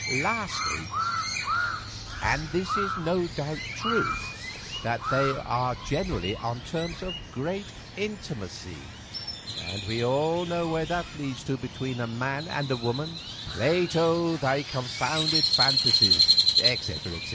Lastly, and this is no doubt true, that they are generally on terms of great intimacy, and we all know where that leads to between a man and woman—'Plato, thy confounded fantasies,' etc.